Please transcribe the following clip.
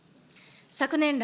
昨年来